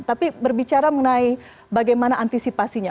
tapi berbicara mengenai bagaimana antisipasinya